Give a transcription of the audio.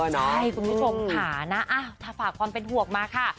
ใช่คุณผู้ชมค่ะนะถ้าฝากความเป็นห่วงมาค่ะ